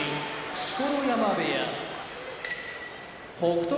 錣山部屋北勝